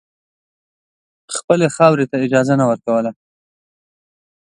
خپلې خاورې ته اجازه نه ورکوله.